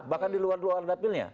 bahkan di luar luar dapilnya